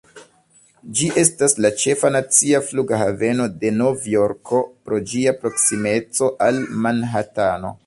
Ĝi estas la ĉefa nacia flughaveno de Novjorko, pro ĝia proksimeco al Manhatano.